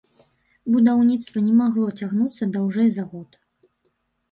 Будаўніцтва не магло цягнуцца даўжэй за год.